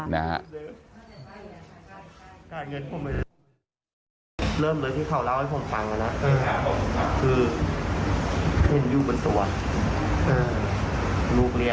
เริ่มเลยที่เขาเล่าให้ผมฟังแล้วนะคืออยู่บนตัวลูกเรียก